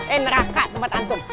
eh neraka tempat antum